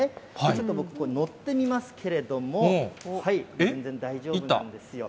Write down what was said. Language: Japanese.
ちょっと僕、乗ってみますけれども、全然大丈夫なんですよ。